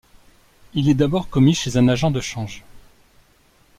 Il est d'abord commis chez un agent de change.